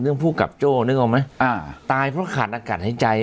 ผู้กับโจ้นึกออกไหมอ่าตายเพราะขาดอากาศหายใจ